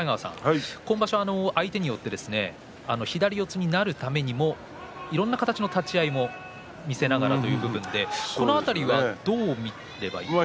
今場所は相手によって左四つになるためにもいろんな形の立ち合いを見せながらという部分でこの辺りはどう見ていますか？